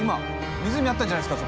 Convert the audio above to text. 湖あったんじゃないですか？